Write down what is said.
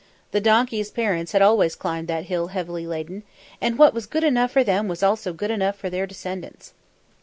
The donkeys' parents had always climbed that hill heavily laden, and what was good enough for them was also good enough for their descendants!